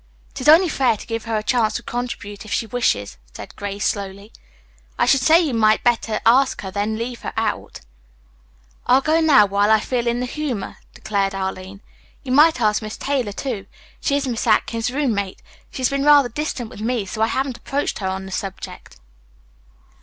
"It is only fair to give her a chance to contribute if she wishes," said Grace slowly. "I should say you might better ask her than leave her out." "I'll go now, while I feel in the humor," declared Arline. "You might ask Miss Taylor, too. She is Miss Atkins's roommate. She has been rather distant with me, so I haven't approached her on the subject."